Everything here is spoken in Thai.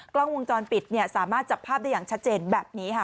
กล้องวงจรปิดสามารถจับภาพได้อย่างชัดเจนแบบนี้ค่ะ